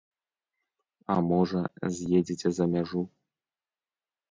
А можа, з'едзеце за мяжу?